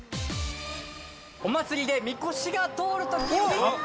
◆お祭りでみこしが通るときに。